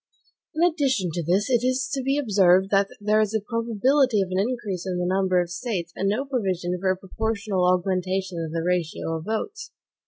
In addition to this, it is to be observed that there is a probability of an increase in the number of States, and no provision for a proportional augmentation of the ratio of votes.